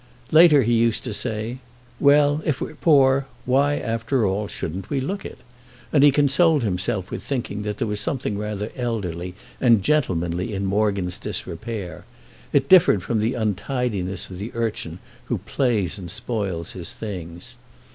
Later he used to say "Well, if we're poor, why, after all, shouldn't we look it?" and he consoled himself with thinking there was something rather elderly and gentlemanly in Morgan's disrepair—it differed from the untidiness of the urchin who plays and spoils his things.